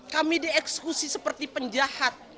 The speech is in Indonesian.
kami dieksekusi seperti penjahat